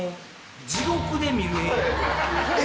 地獄で見る絵。